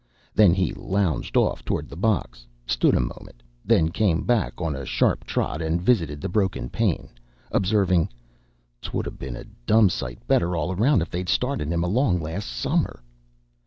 Then he lounged off toward the box, stood a moment, then came back on a sharp trot and visited the broken pane, observing, "'Twould 'a' ben a dum sight better, all around, if they'd started him along last summer."